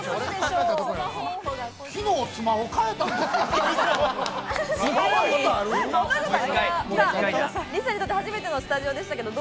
昨日スマホ、変えたんですよ。